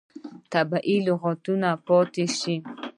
طبیعي لغتونه به پاتې شي.